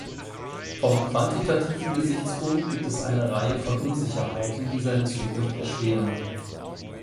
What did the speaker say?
Vom quantitativen Gesichtspunkt gibt es eine Reihe von Unsicherheiten, die seine Zukunft erschweren.